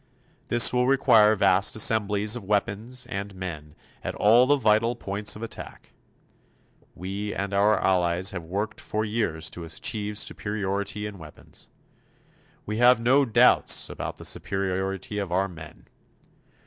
This will require vast assemblies of weapons and men at all the vital points of attack. We and our allies have worked for years to achieve superiority in weapons. We have no doubts about the superiority of our men.